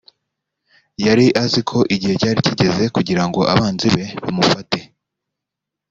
yari azi ko igihe cyari kigeze kugira ngo abanzi be bamufate